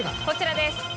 こちらです。